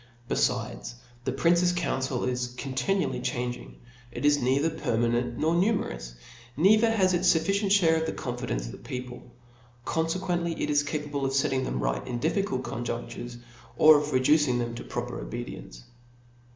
Befides, the prince's council i^ conanually changing; it is neither permanent, nor numerous ; neither has it a fufficient (hare of the confidence of the people , confcqucntly it is in capable to fet them right in difficult conjunftures^ or to reduce them to proper obedience.